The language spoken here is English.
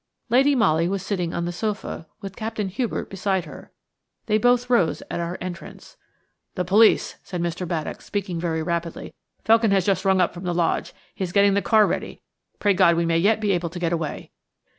Lady Molly was sitting on the sofa, with Captain Hubert beside her. They both rose at our entrance. "The police!" said Mr. Baddock, speaking very rapidly. "Felkin has just run up from the lodge. He is getting the car ready. Pray God we may yet be able to get away."